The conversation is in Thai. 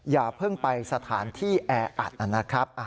อย่าเพิ่งไปสถานที่แออัดนะครับ